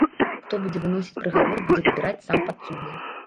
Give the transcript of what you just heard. Хто будзе выносіць прыгавор будзе выбіраць сам падсудны.